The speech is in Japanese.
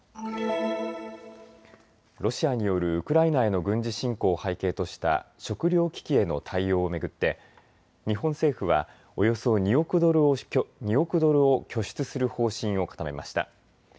ロシアによるウクライナへの軍事侵攻を背景とした食料危機への対応を巡って日本政府はおよそ２億ドルを拠出する方針を固めました。